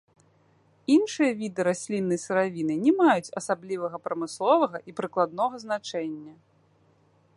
Іншыя віды расліннай сыравіны не маюць асаблівага прамысловага і прыкладнога значэння.